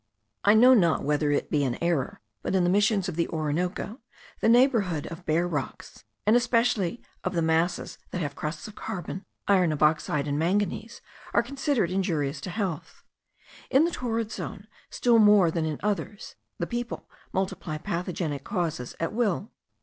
I know not whether it be an error, but in the Missions of the Orinoco, the neighbourhood of bare rocks, and especially of the masses that have crusts of carbon, oxide of iron, and manganese, are considered injurious to health. In the torrid zone, still more than in others, the people multiply pathogenic causes at will.